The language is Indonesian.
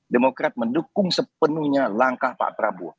demokrat mendukung sepenuhnya langkah pak prabowo